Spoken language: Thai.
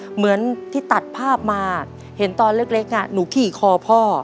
เหมือนที่ตัดภาพมาเห็นตอนเล็กหนูขี่คอพ่อ